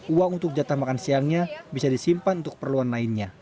uang untuk jatah makan siangnya bisa disimpan untuk perluan lainnya